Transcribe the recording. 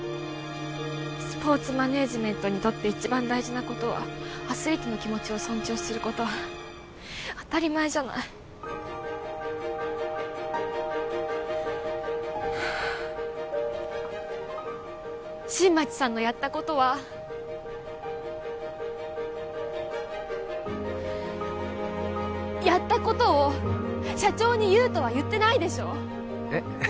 スポーツマネージメントにとって一番大事なことはアスリートの気持ちを尊重すること当たり前じゃない新町さんのやったことはやったことを社長に言うとは言ってないでしょえっ？